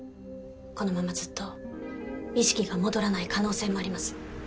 このままずっと意識が戻らない可能性もあります。